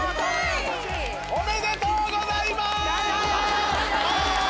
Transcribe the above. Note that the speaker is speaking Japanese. おめでとうございます。